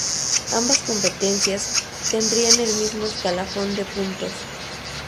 Ambas competencias, tendrían el mismo escalafón de puntos.